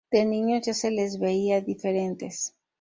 De niños ya se les veía diferentes.